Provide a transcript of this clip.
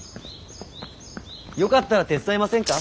よかったら手伝いませんか？